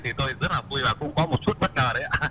thì tôi rất là vui và cũng có một chút bất ngờ đấy ạ